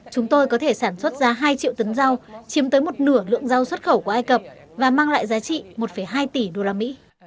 chúng tôi có thể sản xuất ra hai triệu tấn rau chiếm tới một nửa lượng rau xuất khẩu của ai cập và mang lại giá trị một hai tỷ đô la mỹ